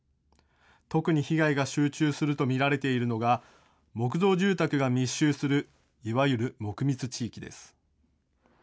特に被害が集中すると見られているのが、木造住宅が密集するいわゆる木密地域です。